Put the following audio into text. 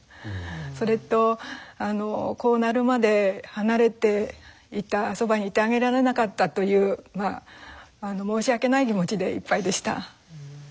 それとこうなるまで離れていたそばにいてあげられなかったという申し訳ない気持ちでいっぱいでした。